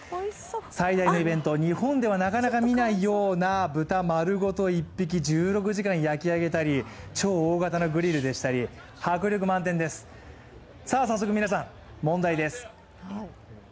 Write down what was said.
最大のイベント、日本ではなかなか見ないような豚丸ごと１匹１６時間焼き上げたり、超大型のグリルでしたり、迫力満点です、早速皆さん問題です。